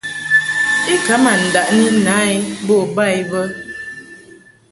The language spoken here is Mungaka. I ka ma ndaʼni na i bo ba i bə.